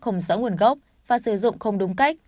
không rõ nguồn gốc và sử dụng không đúng cách